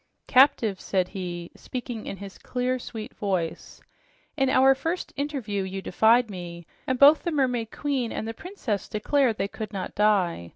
"Captives," said he, speaking in his clear, sweet voice, "in our first interview you defied me, and both the mermaid queen and the princess declared they could not die.